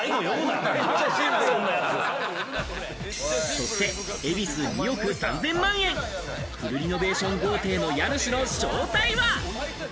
そして恵比寿２億３０００万円、フルリノベーション豪邸の家主の正体は？